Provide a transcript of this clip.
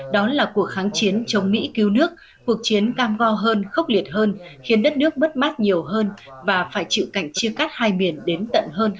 đó là cuộc kháng chiến chống mỹ cứu nước cuộc chiến cam go hơn khốc liệt hơn khiến đất nước bất mát nhiều hơn và phải chịu cảnh chia cắt hai miền đến tận hơn hai mươi năm sau